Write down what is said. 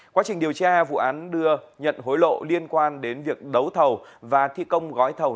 quá trình điều tra vụ án đưa nhận hối lộ liên quan đến việc đấu thầu và thi công gói thầu